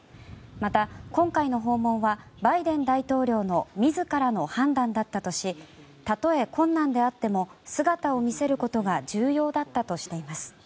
また、今回の訪問はバイデン大統領の自らの判断だったとしたとえ困難であっても姿を見せることが重要だったとしています。